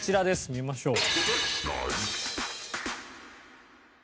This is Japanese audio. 見ましょう。